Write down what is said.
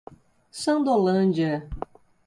Sandolândia